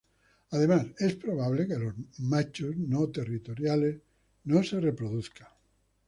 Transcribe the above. Además, es probable que los machos no territoriales no se reproduzcan.